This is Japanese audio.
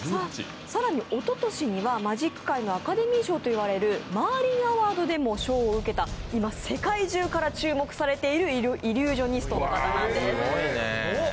さらに、おととしにはマジック界でのアカデミー賞と言われているマーリン・アワードでも賞を受けた今、世界中から注目されているイリュージョニストの方なんです。